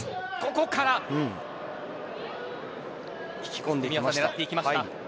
ここから引込んで狙っていきます。